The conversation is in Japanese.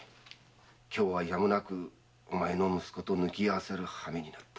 今日はやむなくお前の息子と抜き合わせる羽目になった。